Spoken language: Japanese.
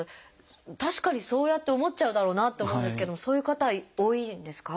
確かにそうやって思っちゃうだろうなって思うんですけどもそういう方多いんですか？